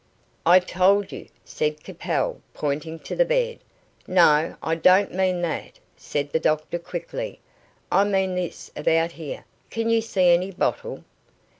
"I told you," said Capel, pointing to the bed. "No, I don't mean that," said the doctor quickly. "I mean this about here. Can you see any bottle?"